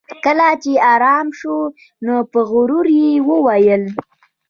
کله چې ارام شو نو په غرور یې وویل